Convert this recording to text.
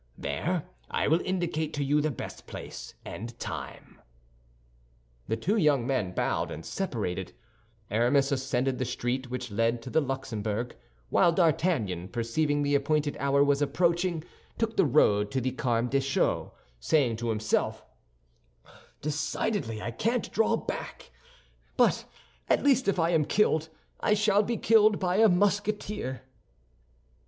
There I will indicate to you the best place and time." The two young men bowed and separated, Aramis ascending the street which led to the Luxembourg, while D'Artagnan, perceiving the appointed hour was approaching, took the road to the Carmes Deschaux, saying to himself, "Decidedly I can't draw back; but at least, if I am killed, I shall be killed by a Musketeer."